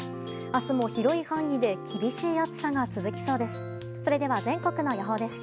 明日も広い範囲で厳しい暑さが続きそうです。